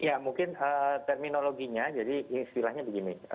ya mungkin terminologinya jadi istilahnya begini